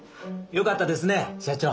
よかったですね社長。